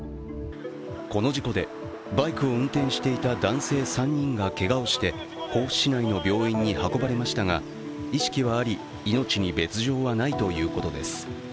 この事故でバイクを運転していた男性３人がけがをして甲府市内の病院に運ばれましたが、意識はあり命に別状はないということです。